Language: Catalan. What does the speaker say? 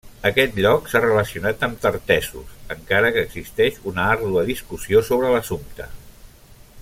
Aquest lloc s'ha relacionat amb Tartessos, encara que existeix una àrdua discussió sobre l'assumpte.